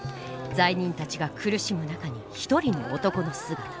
罪人たちが苦しむ中に一人の男の姿。